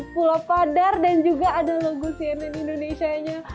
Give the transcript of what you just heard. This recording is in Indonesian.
pulau padar dan juga ada logo cnn indonesia nya